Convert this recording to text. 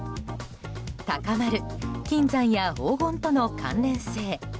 高まる、金山や黄金との関連性。